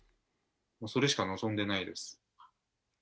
それしか望んでないです。